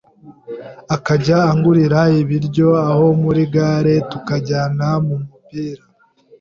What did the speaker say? akajya angurira ibiryo aho muri gare, tukajyana mu mupira